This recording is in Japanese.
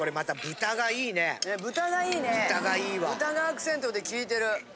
豚がアクセントで効いてる。